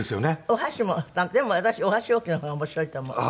お箸もでも私お箸置きの方が面白いと思う。